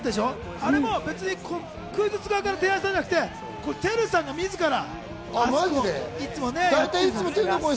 あれも別にクイズッス側から提案したんじゃなくて、ＴＥＲＵさんが自ら。